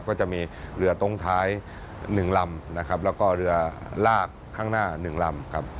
ก็จะมีเรือตรงท้าย๑ลำและเรือลากข้างหน้า๑ลำ